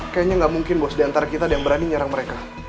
kayaknya gak mungkin bos di antara kita ada yang berani nyerang mereka